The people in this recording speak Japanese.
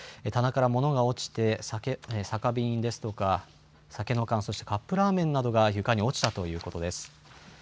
棚から物が落ちて、酒瓶ですとか酒の缶、そしてカップラーメンなどが床に落ちたということです。